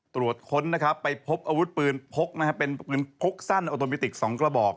ตรวจค้นนะครับไปพบอาวุธปืนพกนะครับเป็นปืนพกสั้นออโตมิติก๒กระบอก